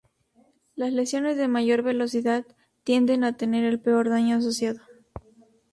Las lesiones de mayor velocidad tienden a tener el peor daño asociado.